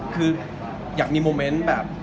คืออยากมีโมเมนต์แบบ